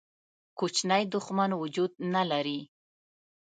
کوچنی دښمن وجود نه لري.